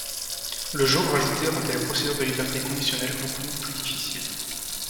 Le jour rajouté rendait la procédure de liberté conditionnelle beaucoup plus difficile.